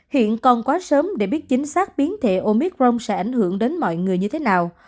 hiện còn quá sớm để biết chính xác biến thể omicron sẽ ảnh hưởng đến mọi người như thế nào